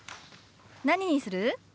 何にする？